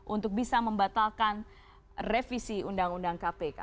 untuk bisa membatalkan revisi undang undang kpk